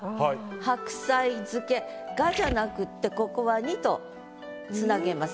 「白菜漬け」「が」じゃなくってここは「に」と繋げます。